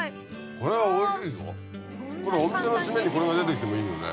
これお店のシメにこれが出てきてもいいよね。